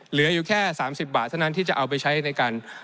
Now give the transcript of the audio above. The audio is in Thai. เหลืออยู่แค่๓๐บาทเท่านั้นที่จะเอาไปใช้ในการ